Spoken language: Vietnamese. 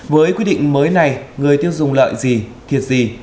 với quy định mới này người tiêu dùng lợi gì thiệt gì